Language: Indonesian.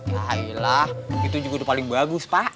hahailah itu juga udah paling bagus pak